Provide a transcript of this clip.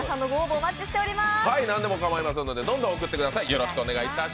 お待ちしております。